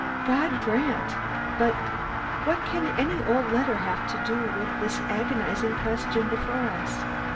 God grant but what can any old letter have to do with the agonizing question before us?